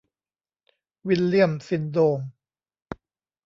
วิลเลี่ยมซินโดม